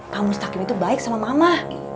pak mustaqim itu baik sama mama